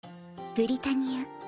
ブリタニア